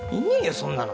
そんなの。